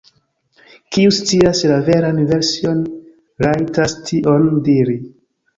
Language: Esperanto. Kiu scias la veran version, rajtas tion diri.